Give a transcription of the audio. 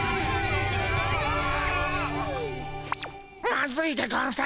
マズいでゴンス。